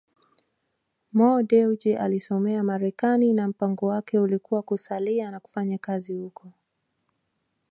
Mo Dewji alisomea Marekani na mpango wake ulikuwa kusalia na kufanya kazi huko